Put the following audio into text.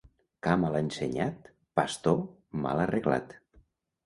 Ca mal ensenyat, pastor mal arreglat.